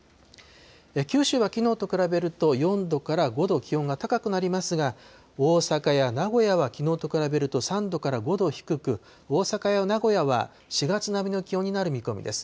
九州はきのうと比べると４度から５度、気温が高くなりますが、大阪や名古屋はきのうと比べると３度から５度低く、大阪や名古屋は４月並みの気温になる見込みです。